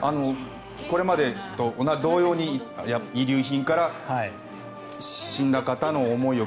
これまでと同様に遺留品から、死んだ方の思いを